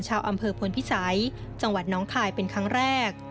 ชาวอำเภอพลพิสัยจังหวัดน้องคายเป็นครั้งแรก